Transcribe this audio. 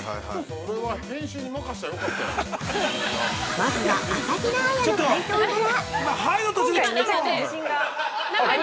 ◆まずは、朝比奈彩の解答から！